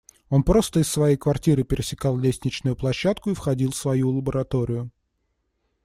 Он просто из своей квартиры пересекал лестничную площадку и входил в свою лабораторию.